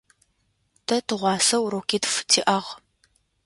Тэ тыгъуасэ урокитф тиӏагъ.